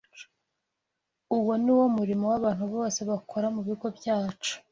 Uwo ni wo murimo w’abantu bose bakora mu bigo byacu